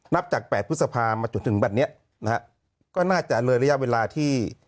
นับจาก๘พฤษภามาจนถึงบัตรนี้นะฮะก็น่าจะเลยระยะเวลาที่